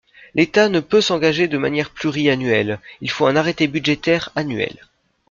L’État ne peut s’engager de manière pluriannuelle : il faut un arrêté budgétaire annuel.